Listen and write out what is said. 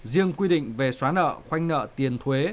riêng quy định về xóa nợ khoanh nợ tiền thuế